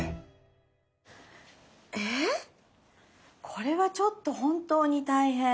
これはちょっと本当に大変。